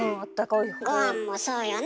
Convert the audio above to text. ごはんもそうよね？